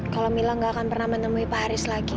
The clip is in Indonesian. kalau mila gak akan pernah menemui pak haris lagi